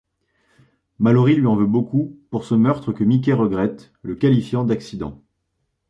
Mallory lui en veut beaucoup pour ce meurtre que Mickey regrette, le qualifiant d'accident.